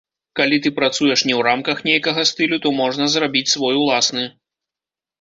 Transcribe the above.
Калі ты працуеш не ў рамках нейкага стылю, то можна зрабіць свой уласны.